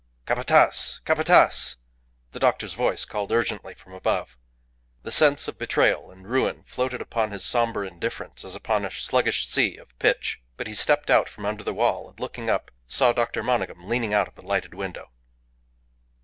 "Capataz! Capataz!" the doctor's voice called urgently from above. The sense of betrayal and ruin floated upon his sombre indifference as upon a sluggish sea of pitch. But he stepped out from under the wall, and, looking up, saw Dr. Monygham leaning out of a lighted window.